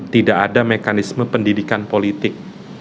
tidak ada mekanisme pendidikan politik